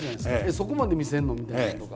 そこまで見せるの？みたいなのとか。